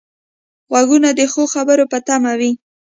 غوږونه د ښو خبرو په تمه وي